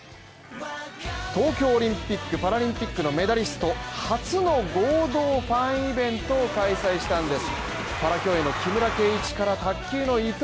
東京オリンピックパラリンピックのメダリスト初の合同ファンイベントを開催したんです